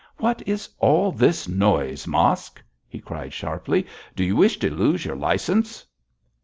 'What is all this noise, Mosk?' he cried sharply. 'Do you wish to lose your license?'